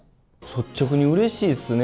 率直に、うれしいっすね。